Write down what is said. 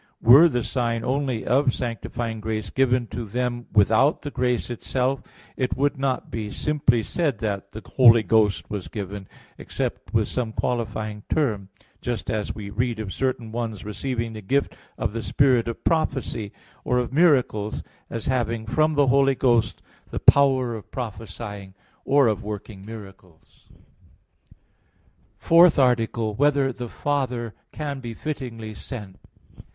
Were the sign only of sanctifying grace given to them without the grace itself, it would not be simply said that the Holy Ghost was given, except with some qualifying term; just as we read of certain ones receiving the gift of the spirit of prophecy, or of miracles, as having from the Holy Ghost the power of prophesying or of working miracles. _______________________ FOURTH ARTICLE [I, Q. 43, Art. 4] Whether the Father Can Be Fittingly Sent?